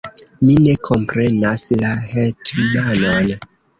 Mi ne komprenas la hetmanon.